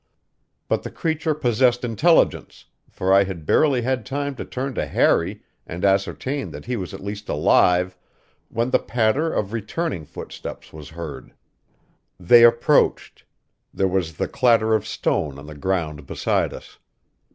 But the creature possessed intelligence, for I had barely had time to turn to Harry and ascertain that he was at least alive, when the patter of returning footsteps was heard. They approached; there was the clatter of stone on the ground beside us.